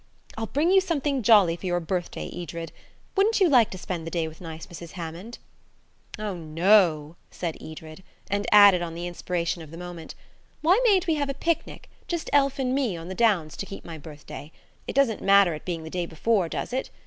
"I'll bring you something jolly for your birthday, Edred. Wouldn't you like to spend the day with nice Mrs. Hammond?" "Oh, no," said Edred; and added, on the inspiration of the moment, "Why mayn't we have a picnic–just Elf and me–on the downs, to keep my birthday? It doesn't matter it being the day before, does it?